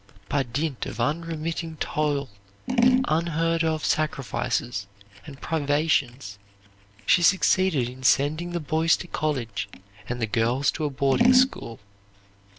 By dint of unremitting toil and unheard of sacrifices and privations she succeeded in sending the boys to college and the girls to a boarding school.